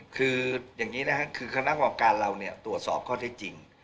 คืออย่างนี้นะครับคือคณะกรรมการเราเนี่ยตรวจสอบข้อเท็จจริง